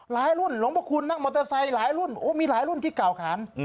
รุ่นหลวงพระคุณนั่งมอเตอร์ไซค์หลายรุ่นโอ้มีหลายรุ่นที่กล่าวขาน